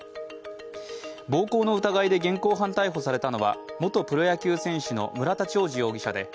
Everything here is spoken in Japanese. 暴行の疑いで現行犯逮捕されたのは元プロ野球選手の村田兆治容疑者です。